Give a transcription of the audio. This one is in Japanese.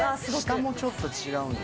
下もちょっと違うんだ。